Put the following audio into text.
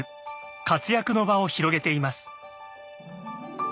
活躍の場を広げています。